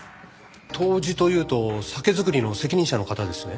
杜氏というと酒造りの責任者の方ですね？